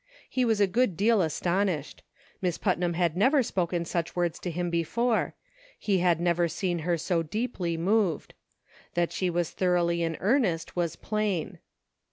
He was a good deal astonished. Miss Putnam had never spoken such words to him before ; he had never seen her so deeply moved. That she was thor oughly in earnest, was plain.